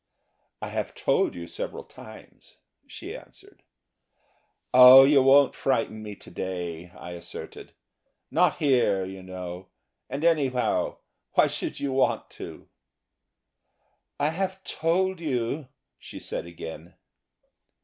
"I have told you several times," she answered. "Oh, you won't frighten me to day," I asserted, "not here, you know, and anyhow, why should you want to?" "I have told you," she said again.